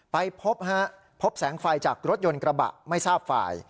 ไปพบฮะพบแสงไฟจากรถยนต์กระบะไม่ทราบฝ่าย